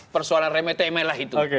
persoalan reme teme lah itu